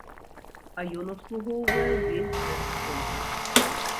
А ён абслугоўвае ўвесь гэты комплекс.